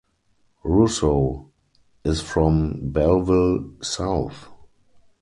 Rossouw is from Bellville South.